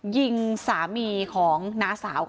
ยิงสามีของน้าสาว